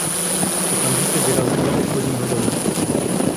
Okamžitě vyrazí do obchodního domu.